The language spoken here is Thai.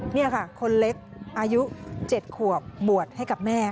นี่ค่ะคนเล็กอายุ๗ขวบบวชให้กับแม่